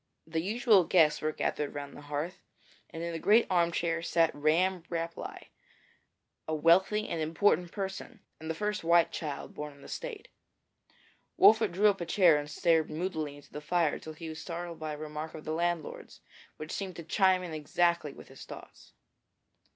The usual guests were gathered round the hearth, and in a great leather armchair sat Ramm Rapelye, a wealthy and important person, and the first white child born in the State. Wolfert drew up a chair and stared moodily into the fire till he was startled by a remark of the landlord's, which seemed to chime in exactly with his thoughts.